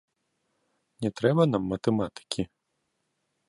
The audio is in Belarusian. Не трэба нам матэматыкі?